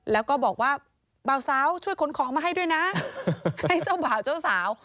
แล้วก็บอกว่าเบาสาวช่วยขนของมาให้ด้วยนะให้เจ้าบ่าวเจ้าสาว